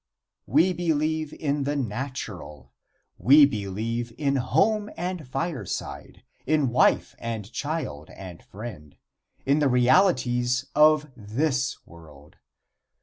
We believe in the natural. We believe in home and fireside in wife and child and friend in the realities of this world.